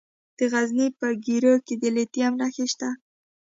د غزني په ګیرو کې د لیتیم نښې شته.